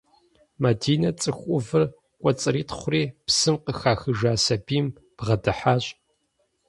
Мадинэ цӏыху ӏувыр кӏуэцӏритхъури псым къыхахыжа сабийм бгъэдыхьащ.